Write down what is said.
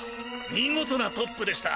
見事なトップでした。